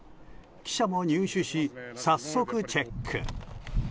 記者も入手し早速、チェック。